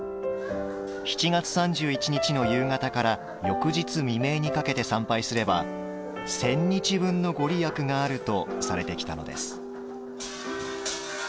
７月３１日の夕方から翌日未明にかけて参拝すれば千日分の御利益があるとされてきたのです。